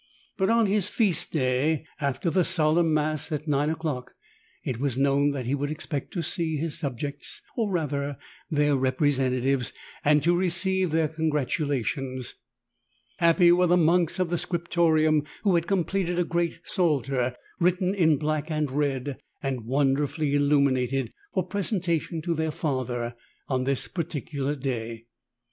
But on his feast day, after the Solemn Mass at nine o'clock, it was known that he would expect to see his sub jects, or rather their representatives, and to receive their congratulations. Happy were the monks of the Scriptorium who had completed a great Psalter written in black and red and wonderfully illuminated, for presentation to their Father on this particular day.